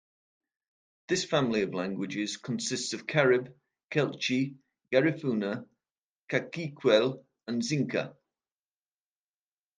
This family of languages consists of Carib, Kekchi, Garifuna, Cakchiquel and Xinca.